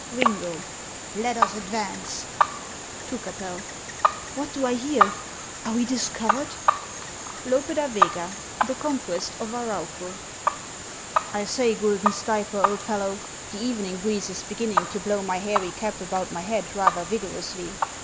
RiiKju. Let us advance ! 'J'ncnfii'1. AVI uit do I hear ! Are we discovered ? Loi'K DA VKCA : The Conquest of Arauco. T SAY, (luldon Stay per, old fellow, the evening breeze •* is beginning to blow my hairy cap about my head rather vigorously."